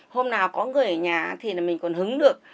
hôm nào có người ở nhà thì mình còn hứng được